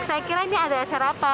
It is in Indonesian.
saya kira ini ada acara apa